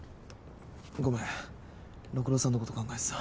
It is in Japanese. ごめん六郎さんのこと考えてた。